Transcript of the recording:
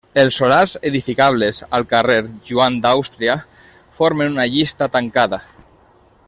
Els solars edificables al carrer Joan d'Àustria formen una llista tancada.